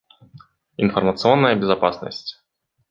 Информационная безопасность